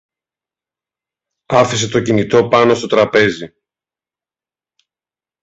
Άφησε το κινητό πάνω στο τραπέζι